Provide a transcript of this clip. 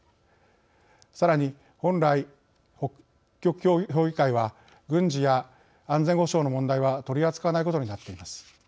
さらに本来北極評議会は軍事や安全保障の問題は取り扱わないことになっています。